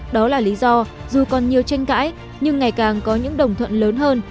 đó là lý do dù còn nhiều tranh cãi nhưng ngày càng có những đồng thuận lớn hơn